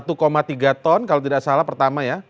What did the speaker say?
tiga kapal pak satu tiga ton kalau tidak salah pertama ya